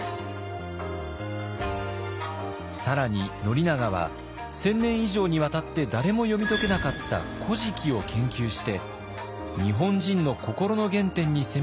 更に宣長は１，０００年以上にわたって誰も読み解けなかった「古事記」を研究して日本人の心の原点に迫ろうとしました。